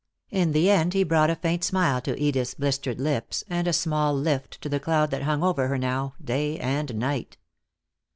In the end he brought a faint smile to Edith's blistered lips, and a small lift to the cloud that hung over her now, day and night.